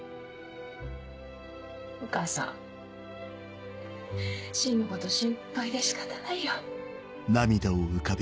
お母さん芯のこと心配で仕方ないよ。